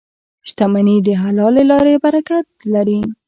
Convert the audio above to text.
• شتمني د حلالې لارې برکت لري.